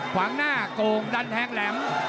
ขวางหน้าโกงดันแทงแหลม